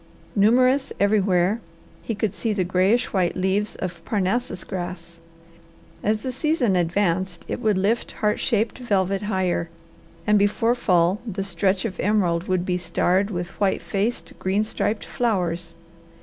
Numerous everywhere he could see the grayish white leaves of Parnassus grass. As the season advanced it would lift heart shaped velvet higher, and before fall the stretch of emerald would be starred with white faced, green striped flowers.